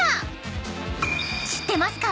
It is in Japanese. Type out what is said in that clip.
［知ってますか？